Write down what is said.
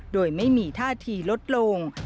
โดยไม่มีท่าทีลดลง